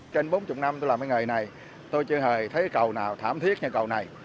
trên bốn mươi năm tôi làm cái nghề này tôi chưa hề thấy cầu nào thảm thiết như cầu này